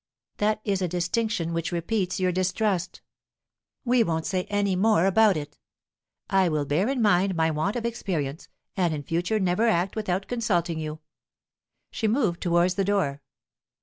"That is a distinction which repeats your distrust. We won't say any more about it. I will bear in mind my want of experience, and in future never act without consulting you." She moved towards the door.